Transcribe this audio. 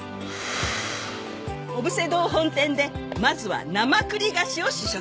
小布施堂本店でまずは生栗菓子を試食。